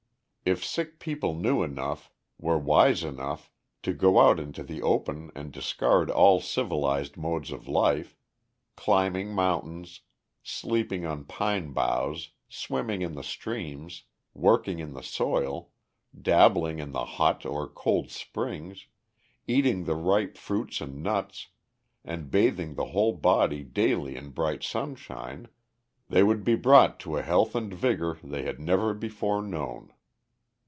If sick people knew enough, were wise enough, to go out into the open and discard all civilized modes of life, climbing mountains, sleeping on pine boughs, swimming in the streams, working in the soil, dabbling in the hot or cold springs, eating the ripe fruits and nuts, and bathing the whole body daily in bright sunshine, they would be brought to a health and vigor they had never before known.